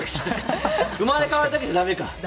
生まれ変わるだけじゃだめか。